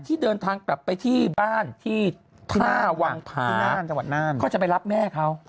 ที่เดินทางกลับไปที่บ้านที่ท่าวังผานก็จะไปรับแม่เขา